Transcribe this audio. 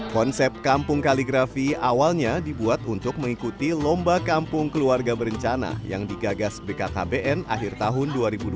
konsep kampung kaligrafi awalnya dibuat untuk mengikuti lomba kampung keluarga berencana yang digagas bkkbn akhir tahun dua ribu dua puluh